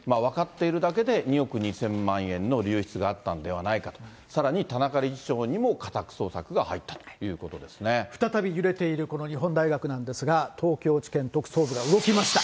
日大のドン、田中理事長の最側近らが逮捕されて、分かっているだけで２億２０００万円の流出があったんではないかと、さらに田中理事長にも家宅捜索が入った再び揺れている、この日本大学なんですが、東京地検特捜部が動きました。